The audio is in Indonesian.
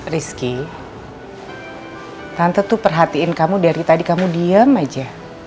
rizky tante tuh perhatiin kamu dari tadi kamu diem aja